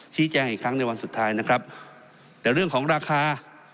แจ้งอีกครั้งในวันสุดท้ายนะครับแต่เรื่องของราคา